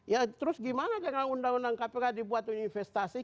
ya terus gimana karena undang undang kpk dibuat untuk investasi